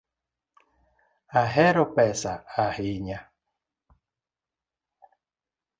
Ahero pesa ahinya